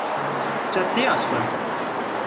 جادهی آسفالته